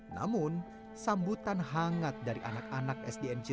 namun sambutan hangat dari anak anak sdn ciroyom